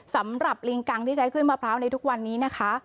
สำหรับลิงกังที่ใช้ขึ้นมะพร้าวในทุกวันนี้นะคะ